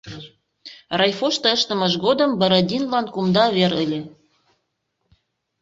Райфошто ыштымыж годым Бородинлан кумда вер ыле.